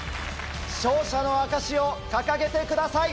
勝者の証しを掲げてください。